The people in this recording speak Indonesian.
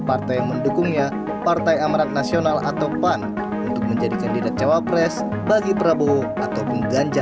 partai mendukungnya partai amarat nasional atau pan untuk menjadi kandidat cawapres bagi prabowo